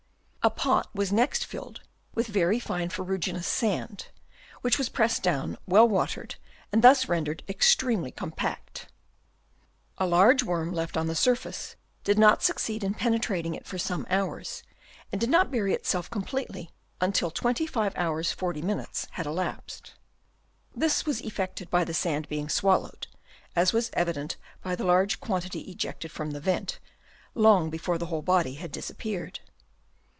A pot was next filled with very fine ferru ginous sand, which was pressed down, well watered, and thus rendered extremely com pact. A large worm left on the surface did not succeed in penetrating it for some hours, and did not bury itself completely until 25 hrs. 40 min. had elapsed. This was effected by the sand being swallowed, as was evident by the large quantity ejected from the vent, long before the whole body had disappeared.